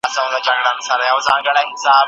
هغوی د پیغمبرانو وارثان دي.